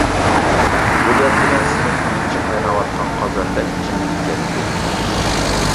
بۇ گەپ بىلەن سىنىپنىڭ ئىچى قايناۋاتقان قازاندەك جىمىپ كەتتى.